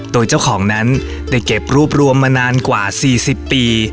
โดยเจ้าของนั้นได้เก็บรวบรวมมานานกว่า๔๐ปี